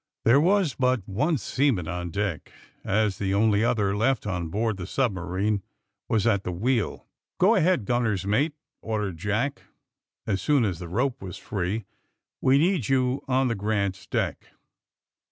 There was but one seaman on deck, as the only other left on board the submarine was at the wheel. *^Go ahead, gunner's mate," ordered Jack, as 218 THE SUBMAEINE BOYS soon as the rope was free. We need you on the * Grant's'' deck."